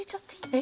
え？